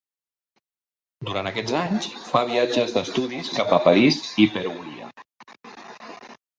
Durant aquests anys, fa viatges d'estudis cap a París i Perugia.